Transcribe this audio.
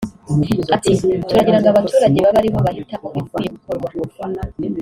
Ati ”Turagira ngo abaturage babe ari bo bahitamo ibikwiye gukorwa